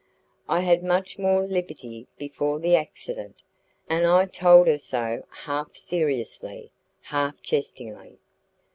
I had much more liberty before the accident, and I told her so half seriously, half jestingly.